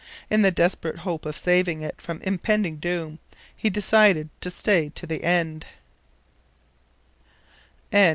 In the desperate hope of saving it from impending doom, he decided to stay to the end.